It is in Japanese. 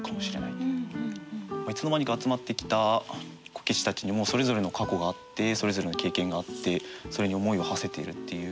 いつの間にか集まってきたこけしたちにもそれぞれの過去があってそれぞれの経験があってそれに思いをはせているっていう。